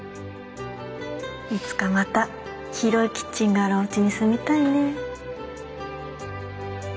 いつかまた広いキッチンがあるおうちに住みたいね。